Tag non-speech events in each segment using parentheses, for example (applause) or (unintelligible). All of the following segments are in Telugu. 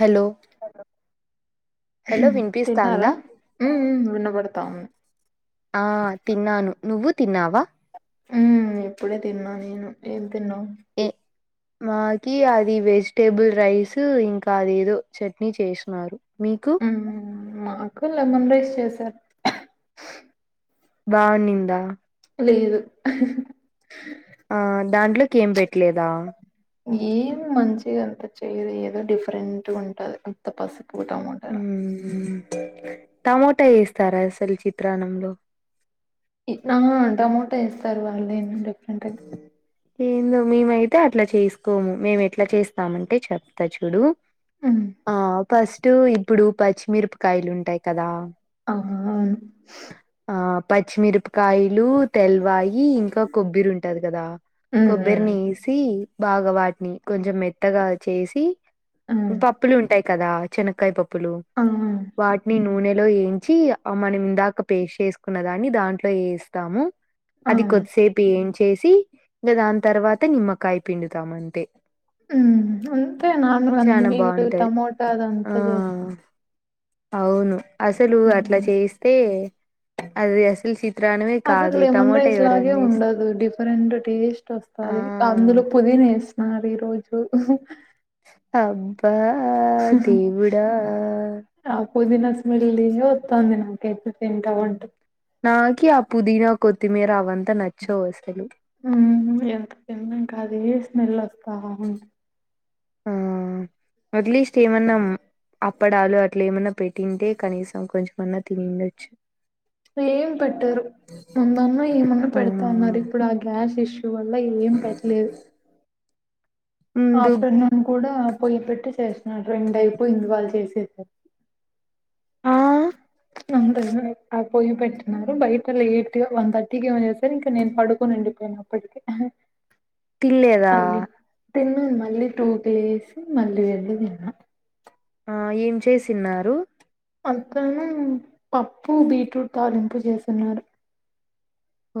హలో హలో తిన్నారా వినిపిస్తాందా హ్మ్ హ్మ్ వినబడతా ఉంది ఆ తిన్నాను నువ్వు తిన్నావా హ్మ్ ఇప్పుడే తిన్నా నేను ఏం తిన్నావ్ ఏ మాకి అది వెజిటేబుల్ రైసు ఇంకా అదేదో చట్నీ చేసినారు మీకు హ్మ్ మాకు లెమన్ రైస్ చేశారు బావునిందా లేదు ఆ దాంట్లోకి ఏం పెట్టలేదా ఏమి మంచిగా అంత చేయదు ఏదో డిఫరెంట్‌గా ఉంటది ఉత్త పసుపు టమో హ్మ్ టమోటా ఏస్తారా అసలు చిత్రాన్నంలో ఇట్నమా టమోటా ఏస్తారు వాళ్ళు ఏమి డిఫరెంట్ అయితే ఏందో మేమైతే అట్లా చేసుకోము మేము ఎట్లా చేస్తామంటే చెప్తా చూడు హ్మ్ ఫస్టు ఇప్పుడు పచ్చిమిరపకాయలు ఉంటాయి కదా ఆ న్ ఆ పచ్చిమిరపకాయిలు తెల్వాయి ఇంకా కొబ్ ఉంటది కదా ఉమ్ కొబ్బరిని ఎసి ఈ బాగా వాటిని కొంచెం మెత్తగా చేసి ఉమ్ పప్పులుంటాయి కదా చెనక్కాయ పప్పులు ఆ ఆ వాటిని నూనె లో ఏంచి ఆ మనం ఇందాక పేస్ట్ చేసుకున్న దాన్ని దాంట్లో ఏస్తాము ఆ, అది కొద్దిసేపు ఏంచేసి ఇంగ దాని తర్వాత నిమ్మకాయ పిండుతాం అంతే ఉమ్ అంతేనా (inaudible) చానా వీళ్లు బాగుంటది టమోటాలు ఆ అంతా చేస్త అవును అసలు అట్లా చేస్తే అది అసలు సి త్రాన్నమే కాదు టమోటా ఎవరన్నా ఏస్ రు డిఫరెంట్ టేస్ట్ వస్తాది ఆ అందులో పుదీనా వేసినారు ఈ రోజు అబ్బా దేవుడా (inaudible) వొత్తావుంది నాకు అయితే తింటా ఉంటే నాకీ అ పుదీనా కొత్తిమీర అవం ఊ ఎంత (inaudible) ఇవే స్మెల్ వస్తా (inaudible) ఉద్లీ స్టీం అన్నం అప్పడాలు అట్లా ఏమన్నా పెట్టింటే కనీసం కొంచెం అన్నా తినిండచ్చు ప్లేం పెట్టరు ముందన్నా ఏమన్నా ఆ పెడతా ఉన్నారు ఇప్పుడు ఆ గ్యాస్ ఇష్ టూ వల్ల ఏం పెటలేదు ముందు ఆఫ్టర్నూన్ కూడా పొయ్యి పెట్టి చేసినారు రెండు అయిపోయింది వాళ్ళు చేసి (inaudible) ఆ (inaudible) ఆ పొయ్యి పెట్టినారు బయట లేట్ గా వన్ థర్టీకి ఏమో చేశారు ఇంక నేను పడుకోనుండి నేను అప్పటికి అహ్ తిల్లేదా తిన్నాను మళ్ళీ టూ త్రీ లేస్ మళ్ళీ వెళ్ళి తిన్నా ఆ ఏం చేసిన్నారు అతను పప్పు బీట్రూట్ తాలింపు చేసున్నారు ఓ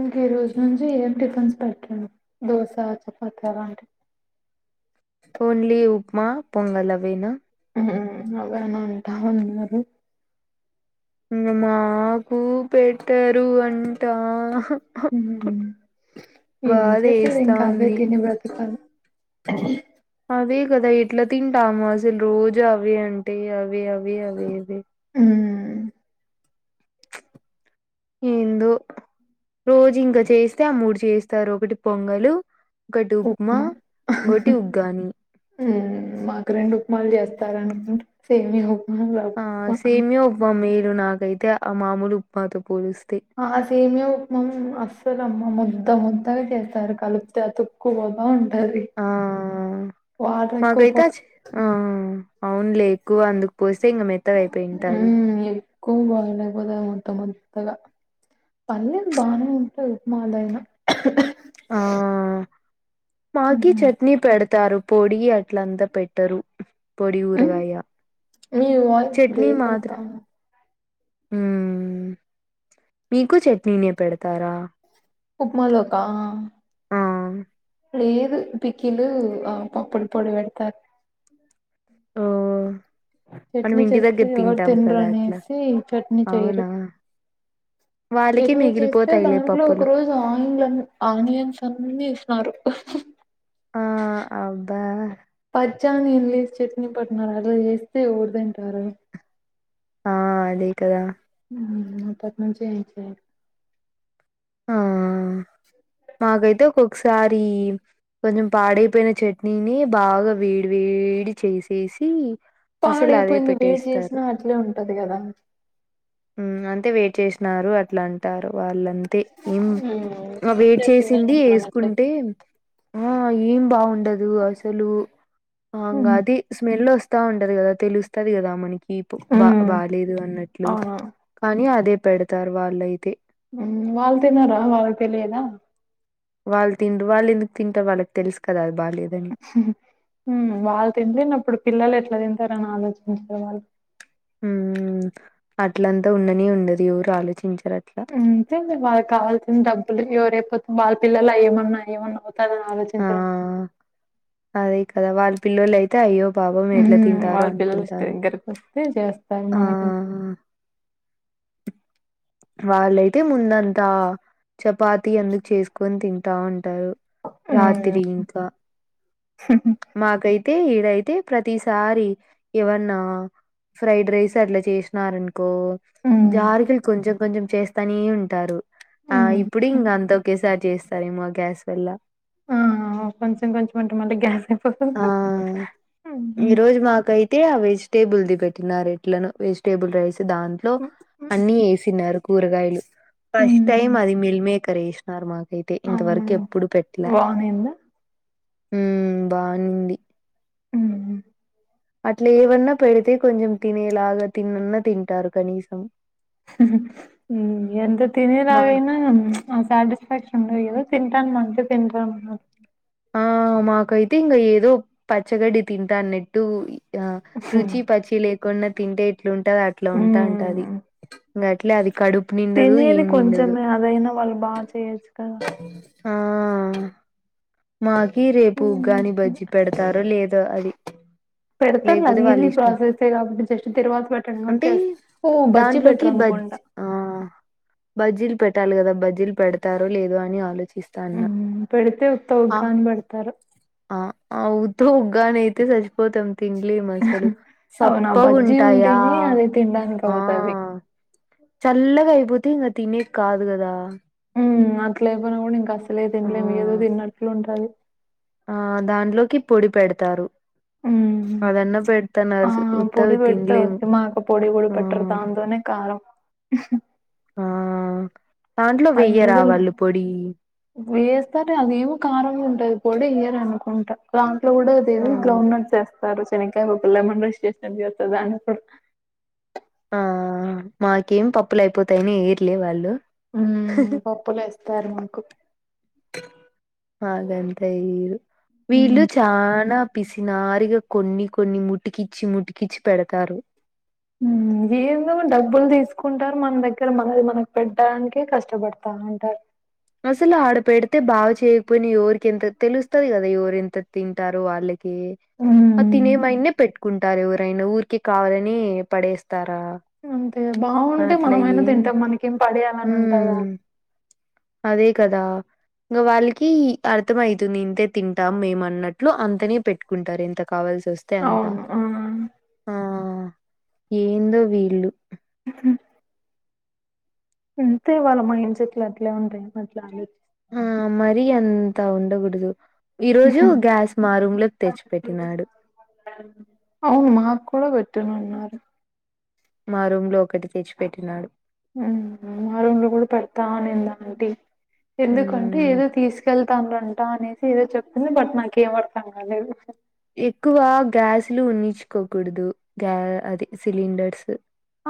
ఇంక ఈ రోజు నుంచి ఏం టిఫిన్స్ పెట్టను దోశ చపాతీ అలాంటివి ఓన్లీ ఉప్మా పొంగల్ అవేనా హుమ్ అవేనా అంటా ఉన్నారు ఇంగ మాకు పెట్టరు అంటా అహా మ్మ్ హ్ ఏం బాధ చేస్సారు ఇంకా అవే ఏస్తాంది తిని బ్రతకాల అదే కదా ఎట్లా తింటాము అసలు రోజు అవే అంటే అవే అవే అవే అవే ఉమ్ ఏందో రోజు ఇంక చేస్తే ఆ మూడు చేస్తారు ఒకటి పొంగలు ఒకటి ఉప్మా ఇంగోటి ఉగ్గాని హ్మ్ మాకు రెండు ఉప్మాలు చేస్తారు అనుకుంటూ సేమ్యా ఉప్ ఆ సేమియా ఉప్మా మేలు నాకైతే ఆ మామూలు ఉప్మా తో పోలుస్ ఆ సేమియా ఉప్మా అస్సల్ అమ్మో ముద్ద ముద్దగా చేస్తారు కలిపితే అతుక్కుపోతా ఉం ఆ ఎక్కువ పో మాకైతే అచి ఆ అవునులే ఎక్కువ అందుకు పూస్ ఊ ఎక్కువ బాయిల్ అయిపోతాయి మొత్తం అన్ కలా పర్లేదు బానే ఉంటాయి (inaudible) ఆ మాకీ చట్నీ పెడ తారు పొడి అట్లంతా పెట్టరు పొడి హ్మ్ ఊరగాయ మీ వాయిస్ చట్నీ బ్రేక్ మాత్రమే అయితాంది ఉమ్ మీకు చట్నీనే పెడతారా ఉప్మాలోకా ఆ లేదు పికిలు అపుడపుడు పొడి పెడతారు ఓ మనం చట్నీ ఇంటి చేస్తే దగ్గర ఎవరు తింటాం తినరు కదా అట్లా అనేసి చట్నీ చేయరు అవునా వాళ్ళకి చట్నీ చేస్తే మిగిలిపోతాయిలే దాంట్లో ఒక పప్పులు రోజు ఆయిల్ ఆనియన్స్ అన్ని వేసినారు ఆ అబ్బా పచ్చి ఆనియన్లెసీ చట్నీ పెట్నారు అలా చేస్తే ఎవరు తింటారు ఆ అదే కదా ఆ అప్పటినుంచి ఏం చేయట్లే ఆ మాకైతే ఒకొక్కసారి కొంచెం పాడైపోయిన చట్నీని బాగా వేడి వేడి చేసేసి అసలు అదే పాడైపోయింది వేడి పెట్టేస్తారు చేసినా అట్లే ఉంటది కదా అయితే వేడి చేసినారు అట్లా అంటారు వాళ్ళ ఏం ఎవరు వేడి చేసిందని చేసింది మనం ఎట్లా వేసుకుంటే ఆ ఏం బాగుండదు అసలు ఉమ్ అది స్మెల్ వస్తు స్తా ఉంటది కదా తెలుస్తది కదా మనకి బా బాలేదు అన్నట్లు అవును కానీ అదే పెడతారు వాళ్ళయితే వాళ్ళు తినరా వాళ్ళకి తెలియదా వాళ్ళు తినరు వాళ్ళు ఎందుకు తింటారు వాళ్ళకి తెలుసు కదా అ వాళ్ళు తినలేనప్పుడు పిల్లలు ఎట్ల తిం టారు అని ఆలోచించరా వాళ్ళు ఉమ్ అట్లంత ఉండనే ఉండదు ఎవరు ఆలోచించ అంతేలే వాళ్ళకు కావాల్సింది డబ్బులే ఎవరైపోతు వాళ్ళ పిల్లలా ఏమన్నా ఏమన్నా అవుతాదని ఆ ఆలోచించడం అదే కదా వాళ్ళ పిల్లోలయితే అయ్యో పాపం ఎట్లా తింటారో వాళ్ళ పిల్లలు ఇస్తే అనుకుంటారు దగ్గరికి వస్తే చేస్తారు ఆ మనకి వాళ్ళైతే ముందంతా చపాతి ఎందుకు చేసుకొని తింటా ఉంటారు రాత్రి ఇంకా మ్మ్. మాకైతే అయితే ప్రతిసారి ఏమన్నా ఫ్రైడ్ రైస్ అట్లా చేసినారు రనుకో హ్మ్. జారకులు కొంచెం కొంచెం చేస్తానే ఉంటారు ఆ హ్మ్. ఇప్పుడు ఇంకా అంత ఒకేసారి చేస్తారేమో గ్యాస్ వల్ల ఆ కొంచెం కొంచెం అంటే మళ్ళి గ్యాస్ అయిపోతది ఆ గా ఈ రోజు మాకై తే ఆ వెజిటేబుల్ ది పెట్టినారు ఎట్లనో వెజిటేబుల్ రైస్ దాంట్లో హ్మ్. అన్ని వేసినారు కూరగాయలు ఫస్ట్ హ్మ్. టైమ్ హ్మ్. అది మిల్ మేకర్ వేసినారు మాకు అయితే అవును. ఇంతవరకు ఎప్పుడు పెట్లా బానేందా? ఉమ్ బావుంది హ్మ్. అట్లా ఏవన్నా పెడితే కొంచెం తినేలాగా తిన్నన్నా తింటారు కనీసం ఎంత మా తినేలాగైనా ఆ సాటిస్ఫాక్షన్ ఉండదు కదా తింటానమంటే తింటాన్నం ఆ మాకైతే ఇంకా ఏదో పచ్చగడ్డి తింటాన్నట్టు ఆ హ్మ్. రుచి పచి లేకుండా తింటే ఎట్లా ఉంటది అట్లా ఉంటాంటది హ్మ్. ఇంకట్లే అది కడుపు నిండదు తినేది ఏం నిండదు కొంచమే అదైనా వాళ్ళు బాచేయొచ్చు కదా ఆ మా కి రేపు ఉగ్గాని హ్మ్. బజ్జి పెడతారో లేదో అది పెడతారులే లేకపోతే అది వాళ్ళ ఈజీ ఇష్టం ప్రాసెస్సే కాబట్టి జస్ట్ తిరగాబాతు పెట్టండం అంటే చేస్తా ఊ బజ్జ పెట్ట్ర దాంట్లోకి అనుకుంటా ఆ బజ్జీల్ పెట్టాలి కదా బజ్జీల్ పెడతారో లేదో అని ఆలోచి ఉ పెడితే ఉత్త ఉగ్గాని పెడతారు ఆ ఉత్త ఉగ్గాని అయితే సచిపోతాం తినలేమసలు అవునా బజ్జీ సప్పగుంటాయా ఉంటేనే అది తినడానికి ఆ అవుతది. చల్లగా అయిపోతే ఇంగా తినే కాదు కదా ఉ అట్లేయిపోయినా కూడా ఇంకా అసలే ఆ తినలేము ఏదో తిన్నట్లు ఉంటాది ఆ దానిలోకి పొడి పెడతారు ఉమ్ అదన్నా ఆ పెడతన్నారు స్ పొడి ఉత్తవి తినలేము పెడుతే మాకు పొడి పొడి ఆ పెట్టరు దాంతోనే కారం ఉహు ఆ దాంట్లో అది వెయ్యరా వాళ్ళు పొడి సరే అదేమో కారంగా ఉంటది పొడి ఇయ్యరు అనుకుంటా దాంట్లో కూడా అదేంది అవును. గ్రౌండ్ నట్స్ తరు శనిక్కాయ ముక్కలు (unintelligible) ఆ మాకేం పప్పులు అయిపోతాయని ఈర్లే వాళ్ళు ఉమ్ పప్పులు ఇస్తారు మాకు అదంతే ఇగ వీళ్లు హ్మ్ చానా పిసినారిగా కొన్ని కొన్ని ముటికిచ్చి ముటికిచ్చి పెడతారు ఉమ్ ఏందో డబ్బులు తీసుకుంటారు మన దగ్గర మనది మనకు పెట్టడానికే కష్టపడతా ఉంటరు అసలు ఆడ పెడితే బాగా చేయకపోయినా ఎవరికి ఎంత తెలుస్తది కదా ఎవరు ఎంత తింటారు వాళ్ళే ఉమ్ హ్మ్ తినేమైనే పెట్టుకుంటారు ఎవరైనా ఊరికి కావాలని పడేస్ తారా అంతే బావుంటే అట్లా మనమైనా ఏం తింటాం మనకేం ఉ పడేయాలని ఉంటదా? అదే కదా ఇంగ వాళ్ళకి అర్థం ఐతుంది ఇంతే తింటాం మేము అన్నట్లు అంతనే పెట్టుకుంటారు ఇంత కావాల్సి వస్తే అంతా అవును ఆ ఆ ఏందో వీళ్ళు ఉహు అంతే వాళ్ళ మైండ్ సెట్లు అట్లే ఉంటాయి అట్లా అని ఆ మరి అంతా ఉండకూడదు ఈ రోజు గ్యాస్ మా రూమ్లోకి తెచ్చిపెట్టినాడు అవును మాక్కూడా పెట్టినన్నున్నారు మా రూమ్ లో ఒకటి తెచ్చిపెట్టినారు మా రూమ్లో కూడా పెడతా అనింది ఆంటీ ఎందుకంటే ఉమ్ ఏదో తీసుకెళ్తాం రన్ అనేసి ఏదో చెప్తుంది బట్ నాకేం అర్థం కాలేదు ఎక్కువ గ్యాసులు ఉన్నించుకోకూడదు గ్యా అది సిలిండర్స్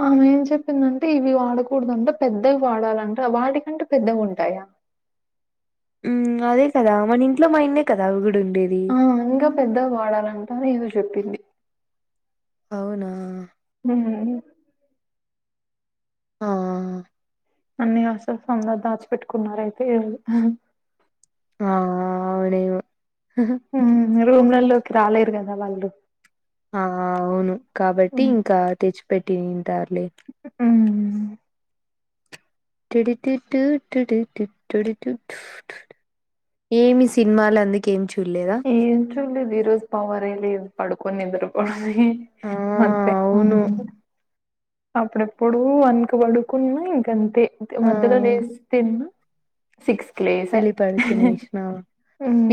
ఆహా ఏం చెప్పిందంటే ఇవి వాడకూడదు అంట పెద్దయ్ వాడాలంటే వాటికంటే పెద్దగుంటాయా ఉ అదే కదా మన ఇంట్లో మయన్నే కదా అవి కూడ్ ఆ ఇంకా పెద్దగా వాడాలంటా ఏదో చెప్పింది అవునా ఉహు ఆ అన్ని అసలు సందా దాచిపెట్టుకున్నారయితే ఇళ్ళు ఆ ఆ అవుడే ఉమ్ రూములలోకి రాలేరు కదా వాళ్ళు ఆ ఆ అవును కాబట్టి ఉమ్, ఇంకా తెచ్చిపెట్టింటారులే ఉమ్. (unintelligible) ఏమి సినిమాలందుకే చు ఏ చూలేదు ఈరోజు పవర్ ఏ లేదు పడుకొని నిద్రపో ఆ! మత్తు అవును. ఎక్కువైంది అప్పుడప్పుడు వన్ కి పడుకున్నా ఇంకా అంతే ఆ! మధ్యలో లేసి తిన్నా. సిక్స్కి లేసా మళ్ళీ పడుకునేసినా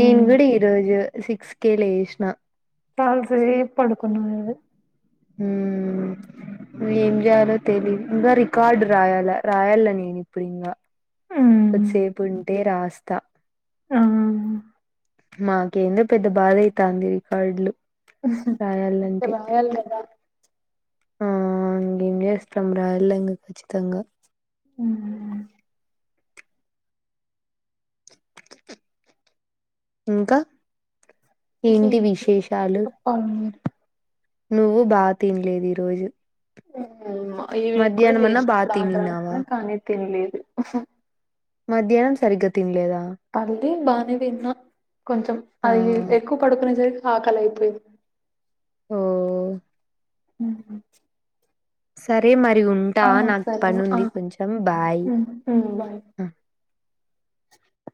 నేను కూడా ఈరోజు సిక్స్ కే లేసిన. తాల్పు తీసి పడుకున్నా. హ్మ్. ఏం జయాలో తెలీదు ఇగ రికార్డు రాయాలా రాయలా నేనెప్పుడూ ఇంగ. కొద్దిసేపు వింటే రాస్తా. ఆ మాకేందో పెద్ద బాధ అయితాది రికార్డులు. రాయాలంటే రాయాలి కదా. ఆ ఇంగ ఏం చేస్తాం రాయాలి ఇంగా ఖచ్చితంగా. ఉమ్ ఇంకా ఏంటి ఇంకేం విశేషాలు చెప్పాలి మీరు నువ్వు బాగా తినలేదు ఈ రోజు ఈవినింగ్ కూడా మధ్యాహ్నం అన్నా బా లేచినప్పుడు తినిన్నావా ఆకలి కానీ తినలేదు మధ్యాహ్నం సరిగ్గా తినలేదా పల్లి బానే తిన్నా కొంచం ఆ అది ఎక్కువ పడుకునే సరి ఆకలి అయిపోయింది ఓ హామ్ సరే మరీ ఉంటా నాకు సరే పని ఆ ఉంది కొంచం బాయ్ ఆ.